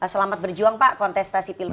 selamat berjuang pak kontestasi pilpres